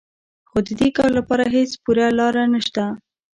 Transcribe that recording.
خو د دې کار لپاره هېڅ پوره لاره نهشته